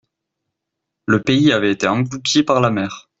Le pays avait été englouti par la mer.